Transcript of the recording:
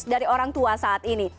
dari orang tua saat ini